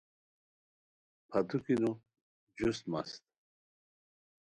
پھتوکی نو جوست مس